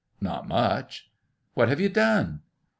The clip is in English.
" Not much." " What have you done